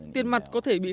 tiền mặt có thể bị khói